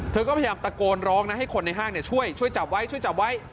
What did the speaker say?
เธอก็พยายามตะโกนร้องนะให้คนในห้างช่วยช่วยจับไว้ช่วยจับไว้